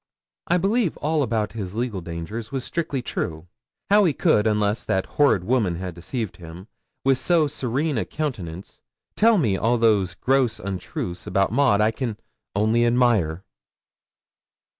I believe all about his legal dangers was strictly true. How he could, unless that horrid woman had deceived him, with so serene a countenance tell me all those gross untruths about Maud, I can only admire.'